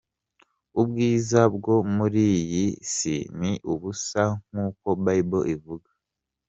Ubwiza bwo muli iyi si, ni ubusa nkuko Bible ivuga.